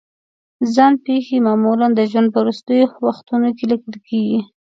ځان پېښې معمولا د ژوند په وروستیو وختونو کې لیکل کېږي.